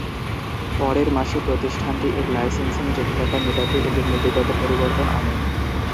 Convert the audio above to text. পরের মাসে প্রতিষ্ঠানটি এর লাইসেন্সিং জটিলতা মেটাতে এদের নীতিগত পরিবর্তন আনে।